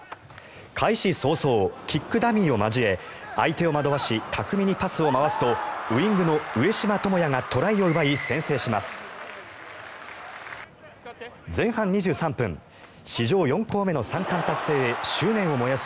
開始早々、キックダミーを交え相手を惑わし巧みにパスを回すとウィングの上嶋友也がトライを奪い、先制します。